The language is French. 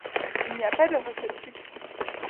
Il n'y a pas de recette fixe.